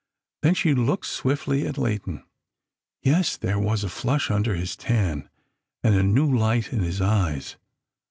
Then she looked swiftly at Leighton. Yes, there was a flush under his tan and a new light in his eyes.